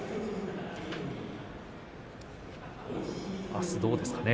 あすはどうですかね